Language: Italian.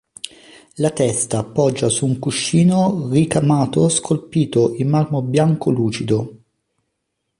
La testa poggia su un cuscino ricamato scolpito in marmo bianco lucido.